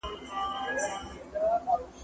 زه کولای سم درسونه لوستل کړم،